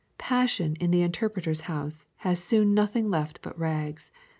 Passion in the Interpreter's House had soon nothing left but rags.